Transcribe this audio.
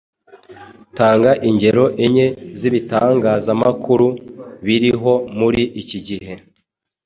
Tanga ingero enye z’ibitangazamakuru biriho muri iki gihe?